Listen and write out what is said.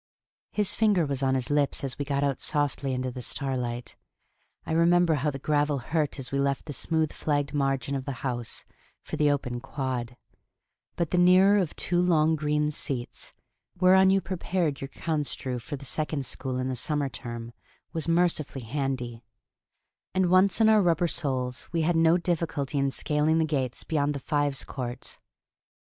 His finger was on his lips as we got out softly into the starlight. I remember how the gravel hurt as we left the smooth flagged margin of the house for the open quad; but the nearer of two long green seats (whereon you prepared your construe for the second school in the summer term) was mercifully handy; and once in our rubber soles we had no difficulty in scaling the gates beyond the fives courts.